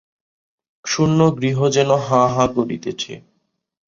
শূন্য গৃহ যেন হাঁ হাঁ করিতেছে।